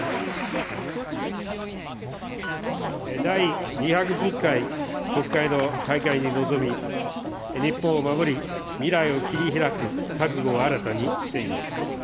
第２１０回国会の開会に臨み、日本を守り、未来を切り拓く覚悟を新たにしています。